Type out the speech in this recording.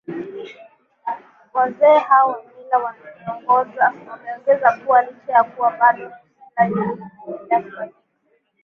Wazee hao wa mila wameongeza kuwa licha ya kuwa bado mila hizo zinaendelea kufanyika